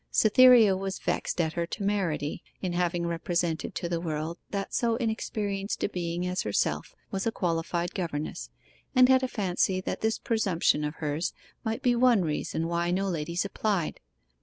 Cytherea was vexed at her temerity in having represented to the world that so inexperienced a being as herself was a qualified governess; and had a fancy that this presumption of hers might be one reason why no ladies applied.